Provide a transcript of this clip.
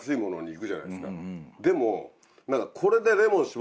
でも。